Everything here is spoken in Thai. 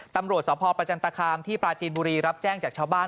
ตำรวจสพประจันตคามที่ปราจีนบุรีรับแจ้งจากชาวบ้าน